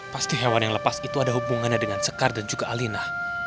pasti hewan yang lepas itu ada hubungannya dengan sekar dan juga alina